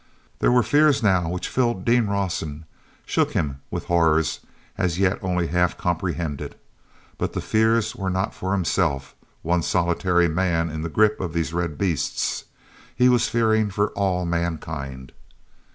There were fears now which filled Dean Rawson, shook him with horrors as yet only half comprehended. But the fears were not for himself, one solitary man in the grip of these red beasts—he was fearing for all mankind.